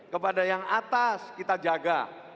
kepada yang atas kita jaga